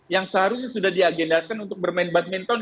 yang seharusnya sudah diagendakan untuk bermain badminton